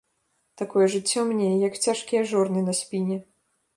Такое жыццё мне, як цяжкія жорны на спіне.